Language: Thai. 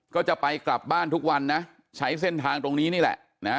ก็จะไปกลับบ้านทุกวันนะใช้เส้นทางตรงนี้นี่แหละนะฮะ